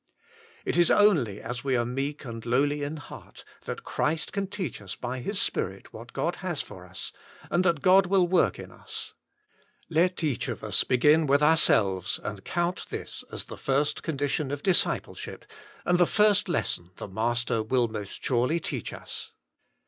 It is only as we are meek and lowly in heart, that Christ can teach us by His Spirit what God has for us, and that God wiU work in us. Let each of us begin with ourselves and count Learning of Christ 85 this as the first condition of discipleship, and the fir&t lesson the Master will most surely teach ns.